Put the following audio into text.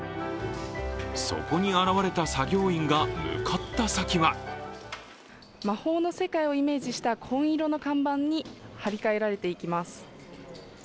そこに現れた作業員が向かった先は魔法の世界をイメージした紺色の看板に貼り替えられていきます。